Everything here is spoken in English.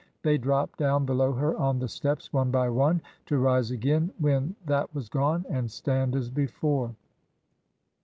They dropped down below her on the steps, one by one, to rise again when that was gone and stand as before.